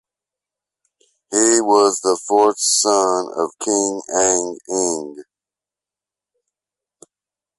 He was the fourth son of King Ang Eng.